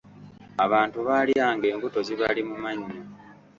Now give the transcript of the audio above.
Abantu baalya ng'embuto zibali mu mannyo.